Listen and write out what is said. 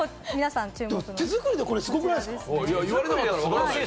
手作りでこれってすごくないですか？